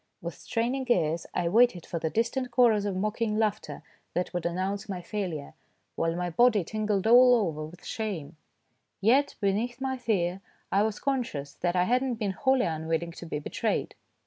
With straining ears I waited for the distant chorus of mocking laughter that would announce my failure, while my body 12 161 162 THE DAY BEFORE YESTERDAY tingled all over with shame. Yet beneath my fear I was conscious that I had not been wholly unwilling to be betrayed.